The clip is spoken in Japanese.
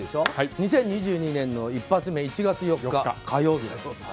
２０２２年の一発目、１月４日火曜日なんです。